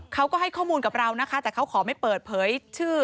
เขาก็ให้ข้อมูลกับเรานะคะแต่เขาขอไม่เปิดเผยชื่อ